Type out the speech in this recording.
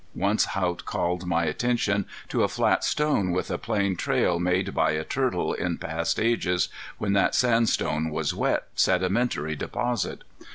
Once Haught called my attention to a flat stone with a plain trail made by a turtle in ages past when that sandstone was wet, sedimentary deposit.